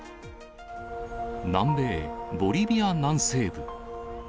南米・ボリビア南西部。